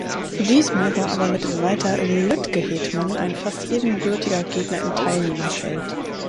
Diesmal war aber mit Walter Lütgehetmann ein fast ebenbürtiger Gegner im Teilnehmerfeld.